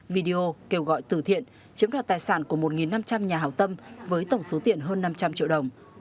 video kêu gọi từ thiện chiếm đoạt tài sản của một năm trăm linh nhà hảo tâm với tổng số tiền hơn năm trăm linh triệu đồng